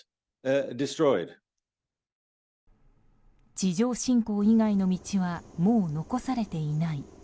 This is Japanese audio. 地上侵攻以外の道はもう残されていない。